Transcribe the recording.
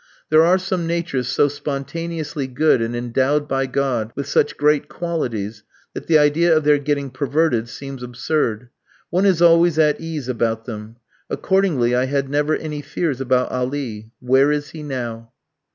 There are some natures so spontaneously good and endowed by God with such great qualities that the idea of their getting perverted seems absurd. One is always at ease about them. Accordingly I had never any fears about Ali. Where is he now?